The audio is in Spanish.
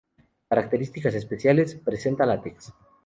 Características especiales: Presenta látex.